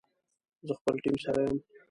زه خپل ټیم سره یم